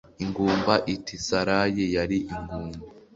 ingumba iti sarayi yari ingumba